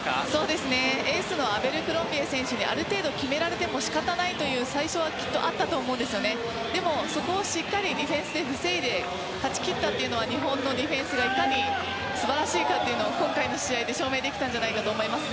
エースのアベルクロンビエ選手にある程度決められても仕方ないというのは最初はあったと思うんですがディフェンスで防いで勝ち切ったというのは日本のディフェンスがいかに素晴らしいかというのを証明できたと思います。